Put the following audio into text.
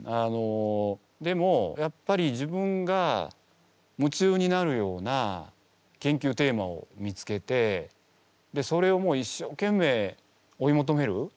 でもやっぱり自分が夢中になるような研究テーマを見つけてそれを一生懸命追い求める。